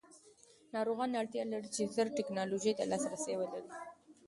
ناروغان اړتیا لري چې ژر ټېکنالوژۍ ته لاسرسی ولري.